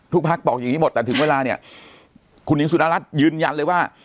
พักบอกอย่างนี้หมดแต่ถึงเวลาเนี่ยคุณหญิงสุนรัฐยืนยันเลยว่า